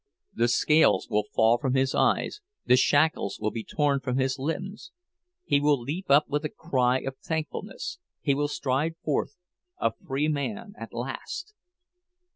The scales will fall from his eyes, the shackles will be torn from his limbs—he will leap up with a cry of thankfulness, he will stride forth a free man at last!